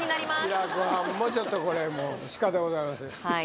志らくはんもちょっとこれしかたございません